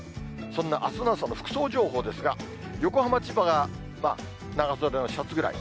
そんなあすの朝の服装情報ですが、横浜、千葉が長袖のシャツぐらい。